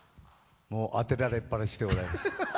当てられっぱなしでございます。